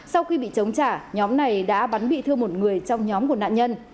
sau khi bị chống trả nhóm này đã bắn bị thương một người trong nhóm của nạn nhân